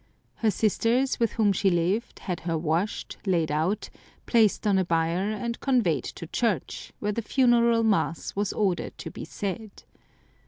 Her sisters, with whom she lived, had her washed, laid out, placed on a bier, and conveyed to church, where the funeral mass was ordered to be said.